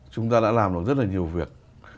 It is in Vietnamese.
chúng ta đã làm được rất là nhiều việc